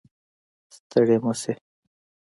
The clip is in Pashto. ستړې مه شې